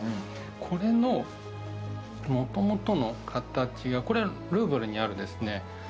これの元々の形がこれルーヴルにあるですね